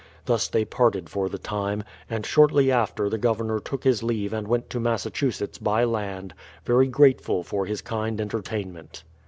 Thus they parted for the time, and shortly after the Governor took his leave and went to Massachusetts by land, very grateful for his kind entertainment.